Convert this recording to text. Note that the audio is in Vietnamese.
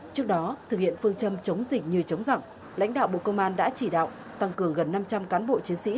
trước đó thực hiện phương châm chống dịch như chống giặc lãnh đạo bộ công an đã chỉ đạo tăng cường gần năm trăm linh cán bộ chiến sĩ